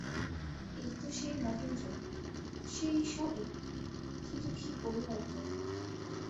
এই তো সেই মহেন্দ্র–সেই সবই, কিন্তু কী পরিবর্তন।